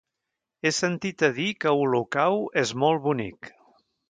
He sentit a dir que Olocau és molt bonic.